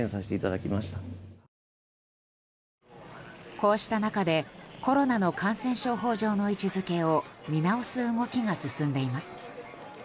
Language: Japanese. こうした中でコロナの感染症法上の位置づけを見直す動きが進んでいます。